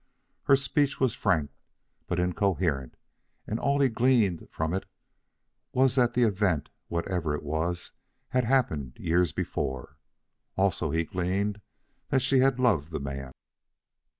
Her speech was frank, but incoherent, and all he gleaned from it was that the event, whatever it was, had happened years before. Also, he gleaned that she had loved the man.